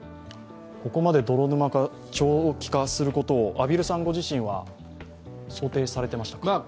ここまで泥沼化、長期化することを畔蒜さんご自身は想定されていましたか。